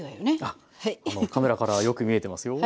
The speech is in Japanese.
あっカメラからはよく見えてますよ。